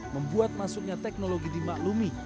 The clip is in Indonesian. membuat masuknya teknologi dimaklumi